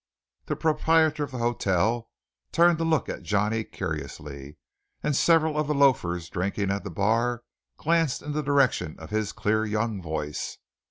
The proprietor of the hotel turned to look at Johnny curiously, and several of the loafers drinking at the bar glanced in the direction of his clear young voice.